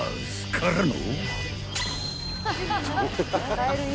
［からの］